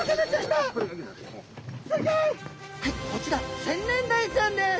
はいこちらセンネンダイちゃんです。